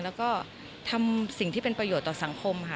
แล้วก็ทำสิ่งที่เป็นประโยชน์ต่อสังคมค่ะ